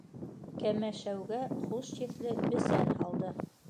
Кәмәшәүгә хуш еҫле бесән һалды.